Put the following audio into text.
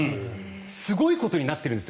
すごいことになってるんです